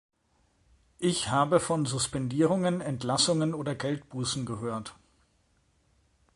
Ich habe von Suspendierungen, Entlassungen oder Geldbußen gehört.